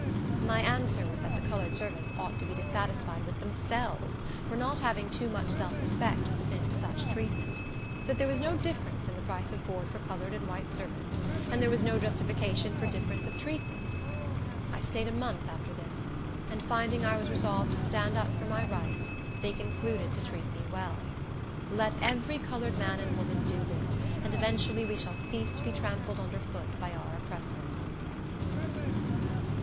My answer was that the colored servants ought to be dissatisfied with themselves, for not having too much self respect to submit to such treatment; that there was no difference in the price of board for colored and white servants, and there was no justification for difference of treatment. I staid a month after this, and finding I was resolved to stand up for my rights, they concluded to treat me well. Let every colored man and woman do this, and eventually we shall cease to be trampled under foot by our oppressors.